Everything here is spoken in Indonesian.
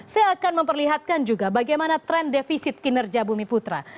saya akan memperlihatkan juga bagaimana tren defisit kinerja bumi putra